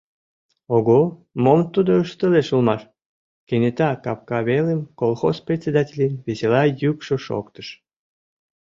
— Ого, мом тудо ыштылеш улмаш! — кенета капка велым колхоз председательын весела йӱкшӧ шоктыш.